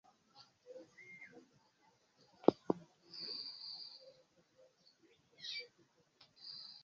Asabye bannabyanjigiriza mu Buganda ne Uganda okukolera awamu